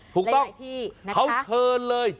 ถูกต้องเขาเชิญเลย